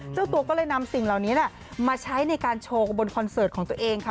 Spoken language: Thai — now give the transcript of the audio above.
เจ้าตัวก็เลยนำสิ่งเหล่านี้มาใช้ในการโชว์บนคอนเสิร์ตของตัวเองค่ะ